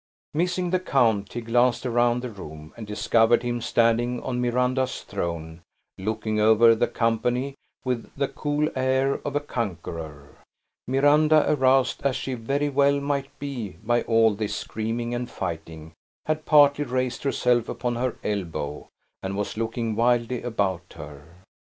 Missing the count, he glanced around the room, and discovered him standing on Miranda's throne, looking over the company with the cool air of a conqueror. Miranda, aroused, as she very well might be by all this screaming and fighting, had partly raised herself upon her elbow, and was looking wildly about her.